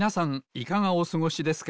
いかがおすごしですか？